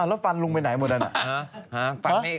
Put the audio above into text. แล้วฟันลุงไปไหนหมดนั้น